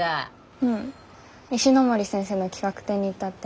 うん石森先生の企画展に行ったって。